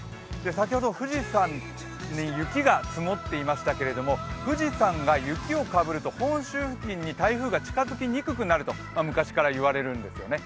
先ほど富士山に雪が積もっていましたけれども、富士山が雪をかぶると、本州付近に台風が近づきにくくなると昔から言われるんですよね。